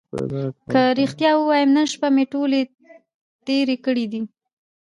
که رښتیا ووایم نن شپه مې ټولې تېرې کړې دي.